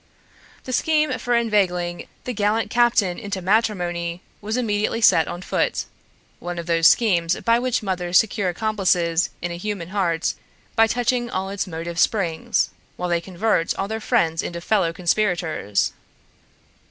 A scheme for inveigling the gallant captain into matrimony was immediately set on foot, one of those schemes by which mothers secure accomplices in a human heart by touching all its motive springs, while they convert all their friends into fellow conspirators.